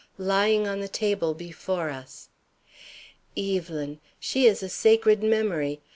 lying on the table before us. Evelyn! She is a sacred memory.